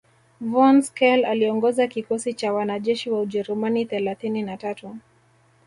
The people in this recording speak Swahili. von Schele aliongoza kikosi cha wanajeshi wa Ujerumani thelathini na tatu